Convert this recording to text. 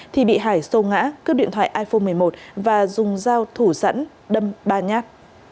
thì bị hải xô ngã cướp điện thoại iphone một mươi một và dùng dao thủ sẵn đâm ba nhát